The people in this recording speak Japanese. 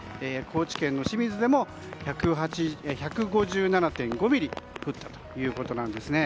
高知県の清水でも１５７．５ミリ降ったということなんですね。